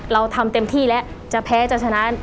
เราทำเต็มที่แล้วจะแพ้จะชนะ